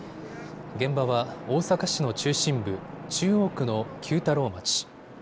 現場は大阪市の中心部、中央区の久太郎町。